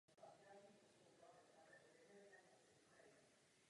V obci je moderní římskokatolický kostel Božského Srdce Ježíšova.